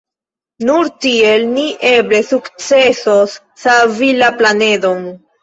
Nur tiel ni eble sukcesos savi la planedon.